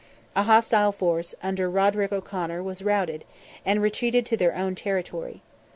A hostile force, under Roderick O'Conor, was routed, and retreated to their own territory.